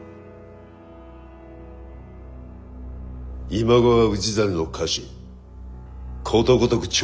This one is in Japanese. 今川氏真の家臣ことごとく調略せい。